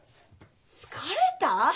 疲れた？